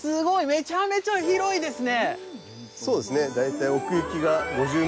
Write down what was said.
めちゃめちゃ広いですね！